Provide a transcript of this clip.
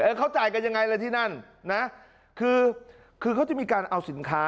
เขาจ่ายกันยังไงเลยที่นั่นนะคือคือเขาจะมีการเอาสินค้า